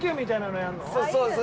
そうです。